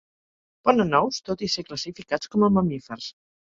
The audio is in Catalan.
Ponen ous, tot i ser classificats com a mamífers.